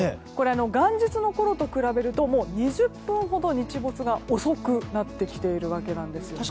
元日のころと比べると２０分ほど日没が遅くなってきているわけなんです。